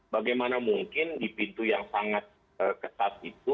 bagaimana mungkin di pintu yang sangat ketat itu